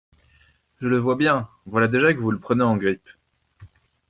Je le vois bien… voilà déjà que vous le prenez en grippe !